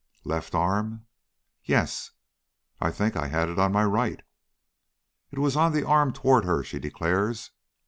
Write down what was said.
"Left arm?" "Yes." "I think I had it on my right." "It was on the arm toward her, she declares.